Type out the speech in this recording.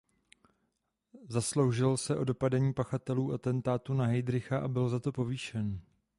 Zasloužil se o dopadení pachatelů atentátu na Heydricha a byl za to povýšen.